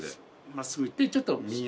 真っすぐ行ってちょっと右入った所。